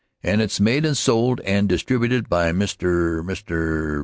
And it's made and sold and distributed by Mr. Mr.